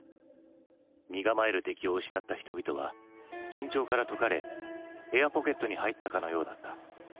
身構える敵を失った人々は緊張から解かれエアポケットに入ったかのようだった。